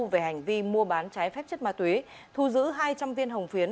về hành vi mua bán trái phép chất ma túy thu giữ hai trăm linh tiên hồng phiến